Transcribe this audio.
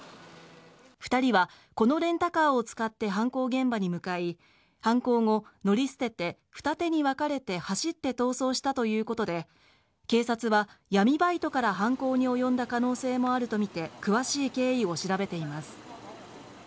２人はこのレンタカーを使って犯行現場に向かい犯行後、乗り捨てて２つに分かれて走って逃走したということで警察は闇バイトから犯行に及んだ可能性もあるとみて詳しい経緯を調べています。